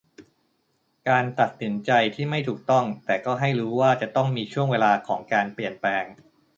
การตัดสินใจที่ไม่ถูกต้อง แต่ก็ให้รู้ว่าจะต้องมีช่วงเวลาของการเปลี่ยนแปลง